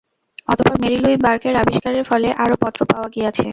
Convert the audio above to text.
অতঃপর Mary Louis বার্কের আবিষ্কারের ফলে আরও পত্র পাওয়া গিয়াছে।